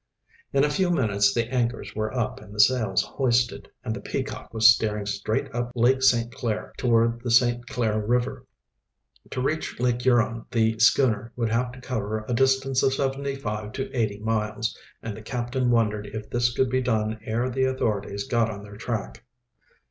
In a few minutes the anchors were up and the sails hoisted, and the Peacock was steering straight up Lake St. Clair toward the St. Clair River. To reach Lake Huron the schooner would have to cover a distance of seventy five to eighty miles, and the captain wondered if this could be done ere the authorities got on their track.